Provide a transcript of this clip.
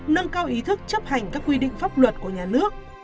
nâng cao ý thức chấp hành các quy định pháp luật của nhà nước